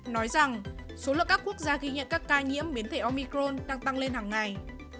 nói rằng số lượng các quốc gia ghi nhận các ca nhiễm biến thể omicron đang tăng lên hàng ngày